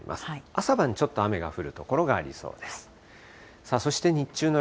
朝晩、ちょっと雨が降る所がありそうです。